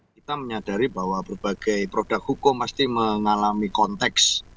kita menyadari bahwa berbagai produk hukum pasti mengalami konteks